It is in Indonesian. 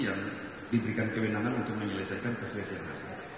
yang diberikan kewenangan untuk menyelesaikan perselesaian hasil